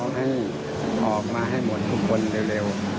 ให้ออกมาให้หมดทุกคนเร็ว